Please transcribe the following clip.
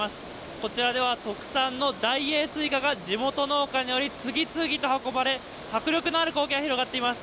こちらでは、特産の大栄スイカが地元農家により、次々と運ばれ、迫力のある光景が広がっています。